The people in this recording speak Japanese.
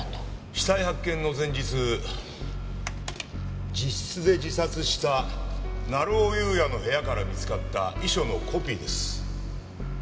死体発見の前日自室で自殺した成尾優也の部屋から見つかった遺書のコピーです。